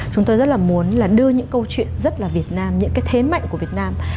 chúng tôi rất là muốn là đưa những câu chuyện rất là việt nam những cái thế mạnh của việt nam